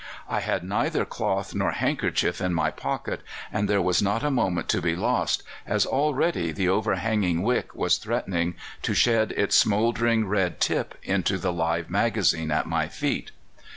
"I had neither cloth nor handkerchief in my pocket, and there was not a moment to be lost, as already the overhanging wick was threatening to shed its smouldering red tip into the live magazine at my feet.